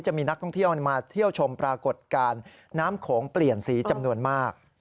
จะมีนักท่องเที่ยวมาเที่ยวชมปรากฏการณ์น้ำโขงเปลี่ยนสีจำนวนมาก